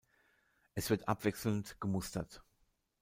Es wird abwechselnd gemustert.